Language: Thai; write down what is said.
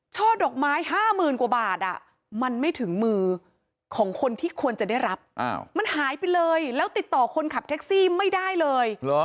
ดอกไม้๕๐๐๐กว่าบาทมันไม่ถึงมือของคนที่ควรจะได้รับมันหายไปเลยแล้วติดต่อคนขับแท็กซี่ไม่ได้เลย